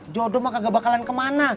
jodoh mah kagak bakalan kemana